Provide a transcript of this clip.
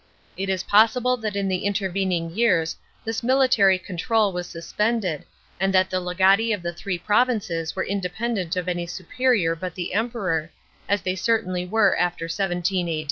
It is possible that in the intervening years this military control was suspended, and that the legati of the three provinces were independent of any superior but the Emperor, as they certainly were after 17 A.